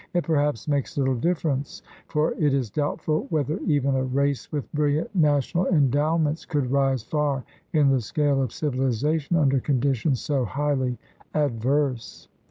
It perhaps makes little dif ference, for it is doubtful whether even a race with brilhant natural endowments could rise far in the scale of civilization under conditions so highly adverse.